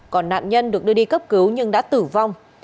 còn nạn nhân được đưa đi cấp cứu nhưng đã tử vong